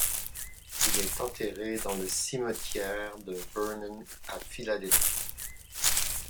Il est enterré dans le cimetière de Vernon à Philadelphie.